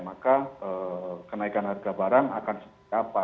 maka kenaikan harga barang akan seperti apa